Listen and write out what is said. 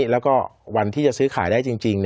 แล้วก็วันที่จะซื้อขายได้จริง